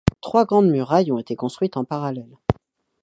Trois grandes murailles ont été construites en parallèle.